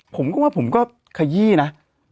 ผมก็ว่าผมก็ขยี้นะ